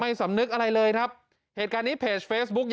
ไม่สำนึกอะไรเลยครับ